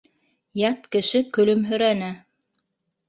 —Ят кеше көлөмһөрәне.